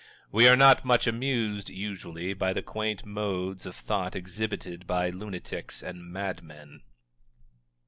We are not much amused, usually, by the quaint modes of thought exhibited by lunatics and madmen.